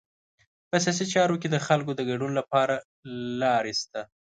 په سیاسي چارو کې د خلکو د ګډون لپاره لارې شته.